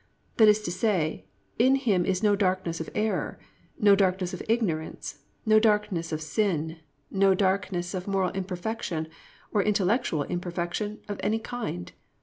"+ That is to say, in Him is no darkness of error, no darkness of ignorance, no darkness of sin, no darkness of moral imperfection or intellectual imperfection of any kind.